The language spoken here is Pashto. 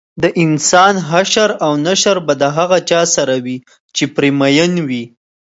دانسان حشر او نشر به د هغه چا سره وي چې پرې مین وي